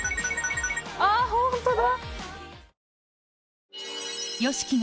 あっホントだ。